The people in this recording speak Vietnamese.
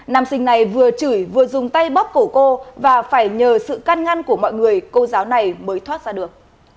nam sinh này vừa chửi vừa dùng tay bóc cổ cô và phải nhờ sự căn ngăn của mọi người cô giáo này mới thoát ra được